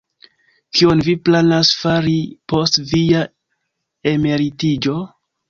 Kion vi planas fari post via emeritiĝo?